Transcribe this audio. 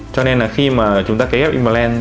cho nên là khi mà chúng ta kế ép implant